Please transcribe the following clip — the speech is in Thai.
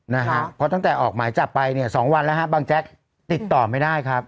นะฮะเพราะตั้งแต่ออกหมายจับไปเนี่ยสองวันแล้วฮะบางแจ๊กติดต่อไม่ได้ครับ